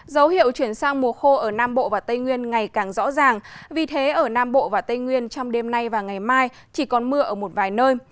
dấu hiệu chuyển sang mùa khô ở nam bộ và tây nguyên ngày càng rõ ràng vì thế ở nam bộ và tây nguyên trong đêm nay và ngày mai chỉ còn mưa ở một vài nơi